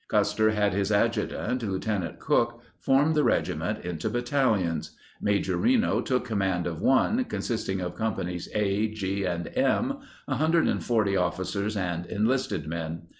Custer had his adjutant, Lieutenant Cooke, form the regiment into battalions. Major Reno took command of one, consisting of Companies A, G, and M— 140 officers and enlisted men.